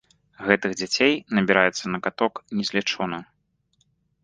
Гэтых дзяцей набіраецца на каток незлічона.